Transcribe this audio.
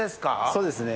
そうですね。